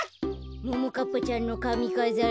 ももかっぱちゃんのかみかざり。